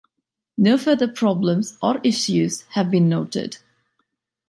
No further problems or issues have been noted.